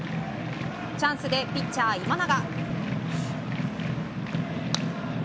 チャンスでピッチャー、今永。